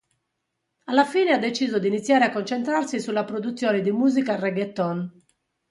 Alla fine ha deciso di iniziare a concentrarsi sulla produzione di musica reggaeton.